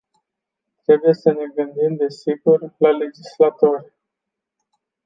Trebuie să ne gândim, desigur, la legislatori.